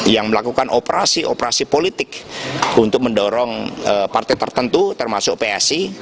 yang melakukan operasi operasi politik untuk mendorong partai tertentu termasuk psi